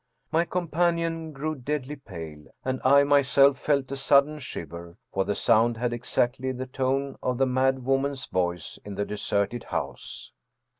My companion grew deadly pale, and I myself felt a sudden shiver, for the sound had exactly the tone of the mad woman's voice in the deserted house.